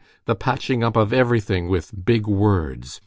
The patching up of everything with big words!